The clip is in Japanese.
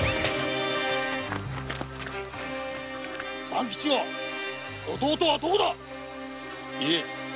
三吉は弟はどこだ！言え！